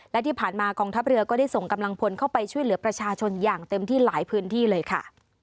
และที่ผ่านมากองทัพเรือก็ได้ส่งกำลังพลเข้าไปช่วยเหลือประชาชนอย่างเต็มที่หลายพื้นที่เลยค่ะ